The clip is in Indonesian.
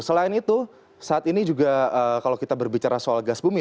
selain itu saat ini juga kalau kita berbicara soal gas bumi